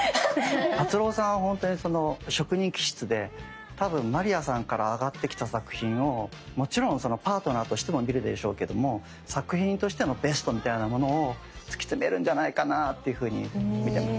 達郎さんはほんとに職人気質で多分まりやさんから上がってきた作品をもちろんそのパートナーとしても見るでしょうけども作品としてのベストみたいなものを突き詰めるんじゃないかな？っていうふうに見てます。